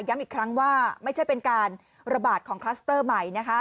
อีกครั้งว่าไม่ใช่เป็นการระบาดของคลัสเตอร์ใหม่นะคะ